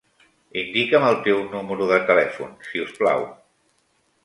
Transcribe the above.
Indica'm el teu número de telèfon, si us plau.